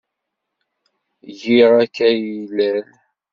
Giɣ akaylal.